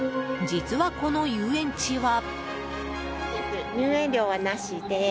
実は、この遊園地は。